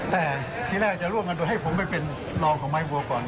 แต่ที่แรกจะร่วมกันโดยให้ผมพี่ไปเป็นรองของไมฟ้าวิขันทร์ก่อน